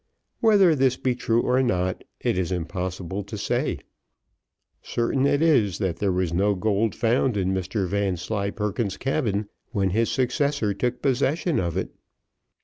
Whether this be true or not, it is impossible to say; certain it is, that there was no gold found in Mr Vanslyperken's cabin when his successor took possession of it.